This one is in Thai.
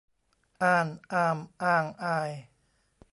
อาน อาม อาง อาย